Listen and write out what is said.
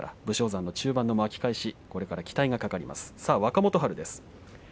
武将山、中盤の巻き返しに期待が懸かります。